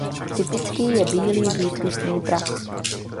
Typický je bílý výtrusný prach.